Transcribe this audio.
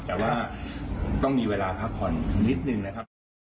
แต่ว่าต้องมีเวลาพักผ่อนนิดนึงนะครับ